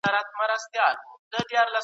د دلارام خلک ډېر مېلمه پال او غیرتي دي.